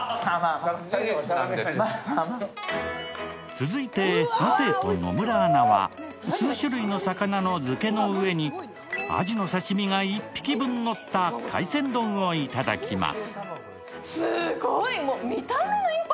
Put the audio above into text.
続いて亜生と野村アナは数種類の魚の漬けの上にアジの刺身が１匹分のった海鮮丼をいただきます。